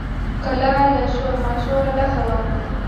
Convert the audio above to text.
کلا له شور ماشوره ډکه وه.